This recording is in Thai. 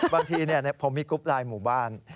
บางทีผมมีกรุ๊ปไลน์หมู่บ้าน